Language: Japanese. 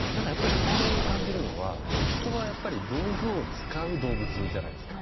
戸惑いを感じるのは人はやっぱり道具を使う動物じゃないですか。